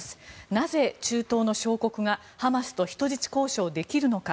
なぜ、中東の小国がハマスと人質交渉できるのか。